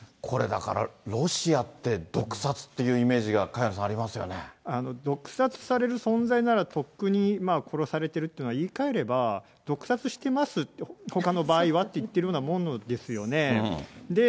だから、ロシアって、毒殺っていうイメージが萱野さん、あり毒殺される存在なら、とっくに殺されているっていうのは、言い換えれば、毒殺してます、ほかの場合はと言ってるようなものですよね。